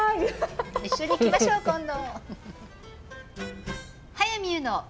一緒に行きましょう今度。